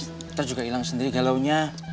nanti juga ilang sendiri galaunya